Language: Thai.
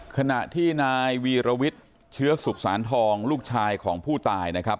ขณะที่นายวีรวิทย์เชื้อสุขสานทองลูกชายของผู้ตายนะครับ